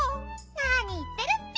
なにいってるッピ。